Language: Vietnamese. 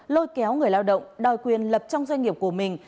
lôi kéo người lao động đòi quyền lập trong doanh nghiệp của mình